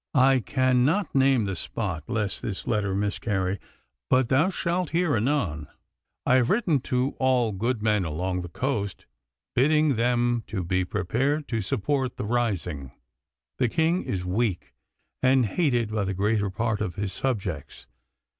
I cannot name the spot lest this letter miscarry, but thou shalt hear anon. I have written to all good men along the coast, bidding them to be prepared to support the rising. The King is weak, and hated by the greater part of his subjects.